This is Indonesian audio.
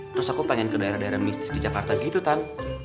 terus aku pengen ke daerah daerah mistis ke jakarta gitu kan